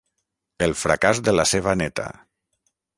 El fracàs de la seva néta.